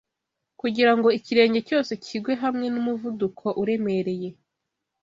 Kugira ngo ikirenge cyose kigwe hamwe n'umuvuduko uremereye,